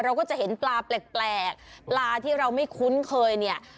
เราก็จะเห็นปลาแปลกปลาที่เราไม่คุ้นเคยเนี่ย